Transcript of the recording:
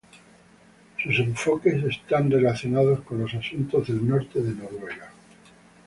Sus enfoques están relacionadas con los asuntos del norte de Noruega.